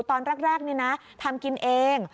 ตอนแรกนี่นะทำกินเอง